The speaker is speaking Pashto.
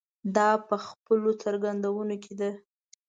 دا په خپلو څرګندونو کې ده.